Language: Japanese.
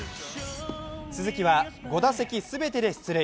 鈴木は５打席全てで出塁。